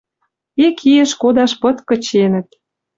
Ик иэш кодаш пыт кыченӹт.